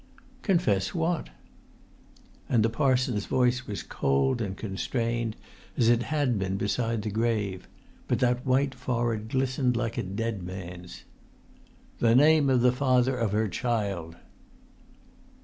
"Confess what?" And the parson's voice was cold and constrained, as it had been beside the grave; but that white forehead glistened like a dead man's. "The name of the father of her child!"